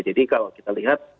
jadi kalau kita lihat